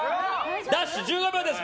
ダッシュ、１５秒です。